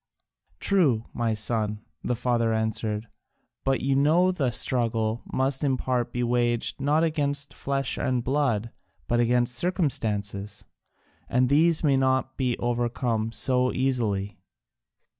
"True, my son," the father answered, "but you know the struggle must in part be waged not against flesh and blood but against circumstances, and these may not be overcome so easily.